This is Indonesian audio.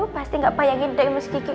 pasti gak payah gede mas kiki